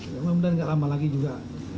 ya mudah mudahan gak lama lagi juga